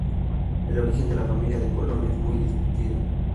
El origen de la familia de Colón es muy discutido.